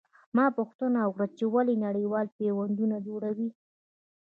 ما پوښتنه وکړه چې ولې نړېوال پیوند نه جوړوي.